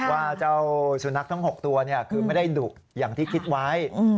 ว่าเจ้าสุนัขทั้ง๖ตัวคือไม่ได้ดุอย่างที่คิดไว้